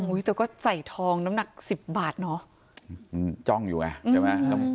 อุ้ยแต่ก็ใส่ทองน้ำหนัก๑๐บาทเนอะจ้องอยู่ไง